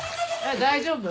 大丈夫？